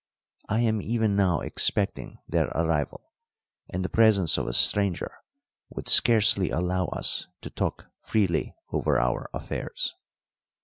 I am even now expecting their arrival, and the presence of a stranger would scarcely allow us to talk freely over our affairs."